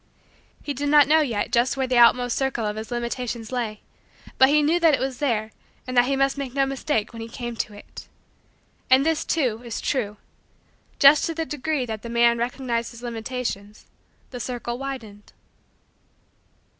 He did not know yet just where the outmost circle of his limitations lay but he knew that it was there and that he must make no mistake when he came to it. And this, too, is true: just to the degree that the man recognized his limitations, the circle widened.